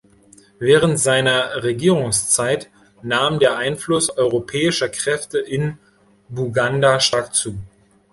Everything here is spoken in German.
Während seiner Regierungszeit nahm der Einfluss europäischer Kräfte in Buganda stark zu.